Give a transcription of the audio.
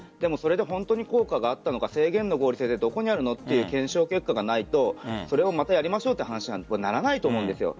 それで本当に効果があったのか政権の合理性でどこにあるのという検証結果がないとそれをまたやりましょうという話にはならないと思うんです。